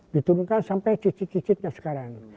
diturunkan sampai cicit cicitnya sekarang